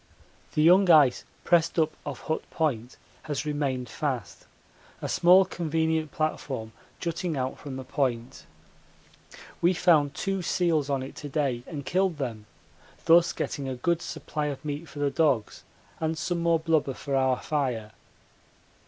The young ice pressed up off Hut Point has remained fast a small convenient platform jutting out from the point. We found two seals on it to day and killed them thus getting a good supply of meat for the dogs and some more blubber for our fire.